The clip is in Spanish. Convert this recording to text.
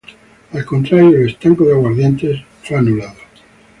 Al contrario, el estanco de aguardientes fue anulado.